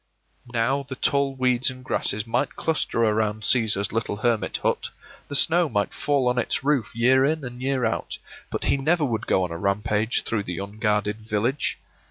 Now the tall weeds and grasses might cluster around Cæsar's little hermit hut, the snow might fall on its roof year in and year out, but he never would go on a rampage through the unguarded village.